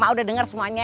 mak udah dengar semuanya